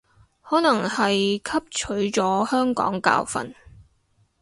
可能係汲取咗香港教訓